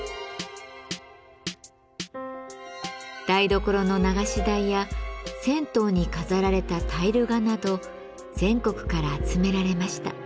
台所の流し台や銭湯に飾られたタイル画など全国から集められました。